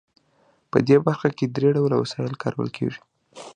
په دې برخه کې درې ډوله وسایل کارول کیږي.